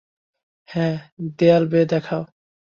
হ্যাঁ, দেয়াল বেয়ে দেখাও।